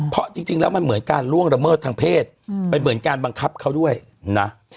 เพราะจริงแล้วมันเหมือนการล่วงละเมิดทางเพศมันเหมือนการบังคับเขาด้วยนะ